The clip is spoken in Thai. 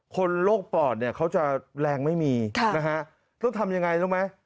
คนโรคปอดเขาจะแรงไม่มีแล้วทำยังไงรึเปล่า